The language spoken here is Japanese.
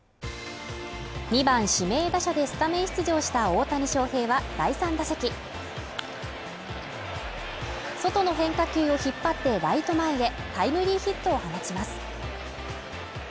２番指名打者でスタメン出場した大谷翔平は第３打席外の変化球を引っ張ってライト前へタイムリーヒットを放ちます